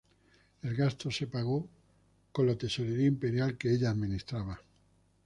El gasto se pagó por la tesorería imperial que ella administraba.